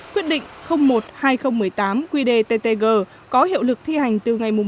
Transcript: quyết định một hai nghìn một mươi tám qdttg có hiệu lực thi hành từ ngày một ba hai nghìn một mươi tám